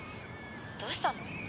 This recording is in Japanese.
☎どうしたの？